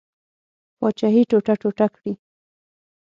پاچهي ټوټه ټوټه کړي.